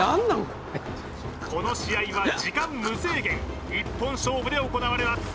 この試合は時間無制限１本勝負で行われます